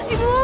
ibu bangun bu